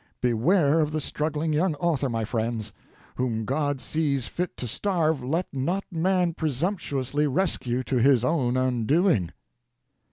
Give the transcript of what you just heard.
Beware of the struggling young author, my friends. Whom God sees fit to starve, let not man presumptuously rescue to his own undoing."